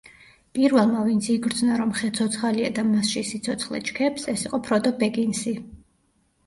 პირველმა ვინც იგრძნო, რომ ხე ცოცხალია და მასში სიცოცხლე ჩქეფს, ეს იყო ფროდო ბეგინსი.